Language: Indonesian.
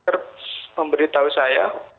terp memberitahu saya